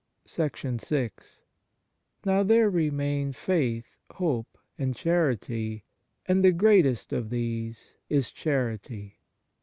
VI OW there "remain faith, hope, and ^ charity ; and the greatest of these is charity."